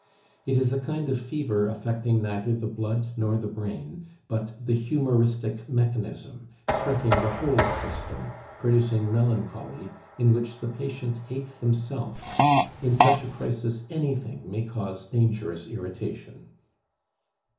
It is a kind of fever affecting neither the blood nor the brain, but the humoristic mechanism, fretting the whole system, producing melancholy, in which the patient hates himself; in such a crisis anything may cause dangerous irritation.